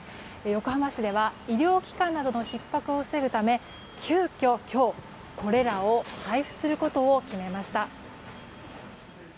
横浜市では医療機関などのひっ迫を防ぐため急きょ、今日これらを配布することを決めました。